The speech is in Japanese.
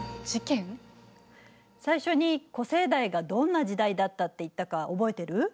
最初に古生代がどんな時代だったって言ったか覚えてる？